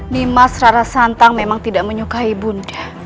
nimas rara santang memang tidak menyukai ibu anda